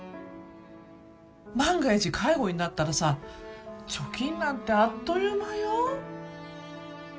万が一介護になったらさ貯金なんてあっという間よ。